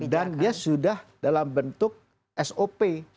dan dia sudah dalam bentuk sop